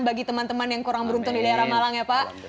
bagi teman teman yang kurang beruntung di daerah malang ya pak